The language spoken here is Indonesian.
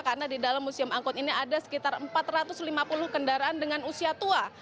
karena di dalam museum angkut ini ada sekitar empat ratus lima puluh kendaraan dengan usia tua